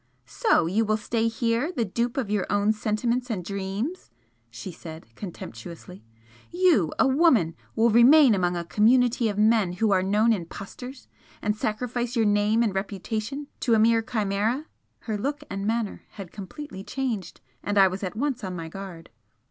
"So you will stay here, the dupe of your own sentiments and dreams!" she said, contemptuously "You, a woman, will remain among a community of men who are known impostors, and sacrifice your name and reputation to a mere chimera!" Her look and manner had completely changed, and I was at once on my guard.